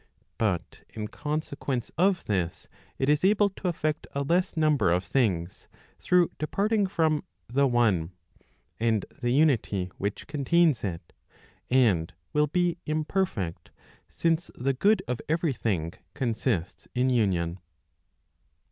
But in consequence of this it is able to effect a less number of things, through departing from the one , and the unity which contains it, and will be imperfect, since the good of every thing consists in union.